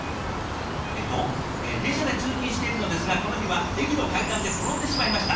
えっと「電車で通勤しているのですがこの日は駅の階段で転んでしまいました。